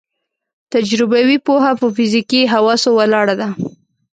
تجربوي پوهه په فزیکي حواسو ولاړه ده.